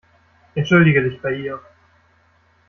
Entschuldige dich bei ihr.